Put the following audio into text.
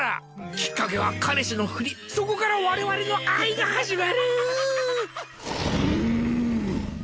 きっかけは彼氏のフリそこから我々の愛が始まる！むぅん。